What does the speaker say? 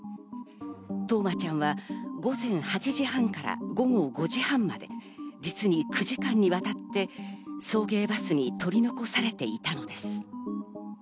冬生ちゃんは午前８時半から午後５時半まで、実に９時間にわたって送迎バスに取り残されていたのです。